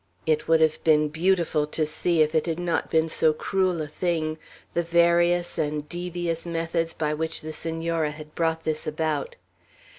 It would have been beautiful to see, if it had not been so cruel a thing, the various and devious methods by which the Senora had brought this about.